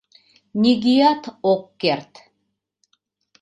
Нигӧат ок керт.